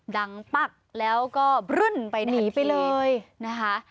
ดังปั๊กแล้วก็บรึ่นไปหนีไปเลยนะคะ